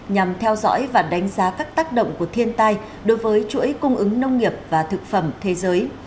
nhằm theo dõi và đánh giá các tác động của thiên tai đối với chuỗi cung ứng nông nghiệp và thực phẩm thế giới